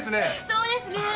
そうですね。